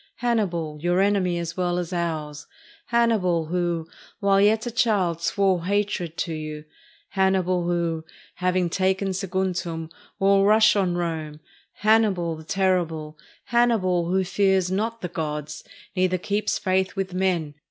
— Hannibal, your enemy as well as ours; Hannibal, who, while yet a child, swore hatred to you; Hannibal, who, having taken Saguntum, will rush on Rome; Hannibal, the terrible; Hannibal, who fears not the gods, neither keeps faith with men.